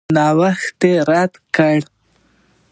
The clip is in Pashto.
نوښت یې رد کړ.